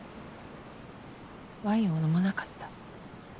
ワインを飲まなかった。